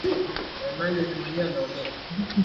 Falme zote mbili zilishindwa katika vita